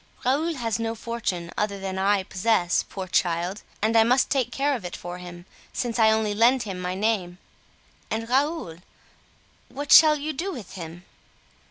Raoul has no fortune other than I possess, poor child! and I must take care of it for him, since I only lend him my name." "And Raoul—what shall you do with him?"